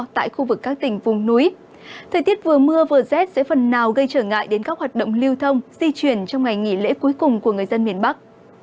thời tiết vừa mưa vừa rét sẽ phần nào gây trở ngại đến các hoạt động lưu thông di chuyển trong ngày nghỉ lễ cuối cùng của người dân miền bắc